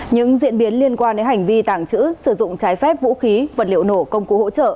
những diễn biến liên quan đến hành vi tàng trữ sử dụng trái phép vũ khí vật liệu nổ công cụ hỗ trợ